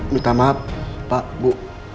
minta maaf pak bu